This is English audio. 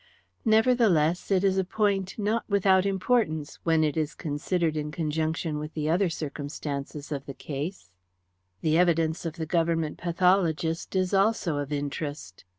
"Nevertheless, it is a point not without importance, when it is considered in conjunction with the other circumstances of the case. The evidence of the Government pathologist is also of interest.